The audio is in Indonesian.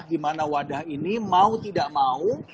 gimana wadah ini mau tidak mau